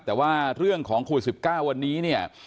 แต่ว่าเรื่องของโควิด๑๙วันนี้เนี่ย